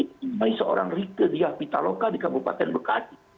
seperti seorang rike diah pitaloka di kabupaten bekati